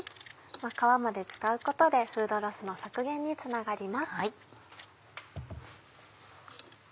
皮まで使うことでフードロスの削減につながります。